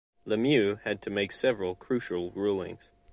Lemieux had to make several crucial rulings.